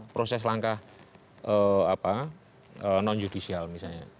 proses langkah non judisial misalnya